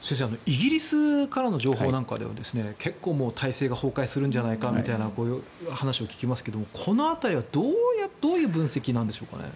イギリスからの情報なんかでは結構、体制が崩壊するんじゃないかみたいな話を聞きますけれどこの辺りはどういう分析なんでしょうかね。